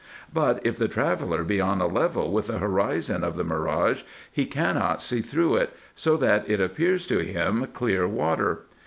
But, if the traveller be on a level with the horizon of the mirage, he cannot see through it, so that it appears to him clear water.